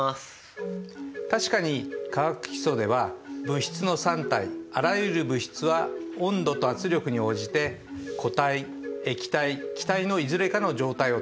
確かに「化学基礎」では物質の三態あらゆる物質は温度と圧力に応じて固体液体気体のいずれかの状態をとるっていうことを学習しました。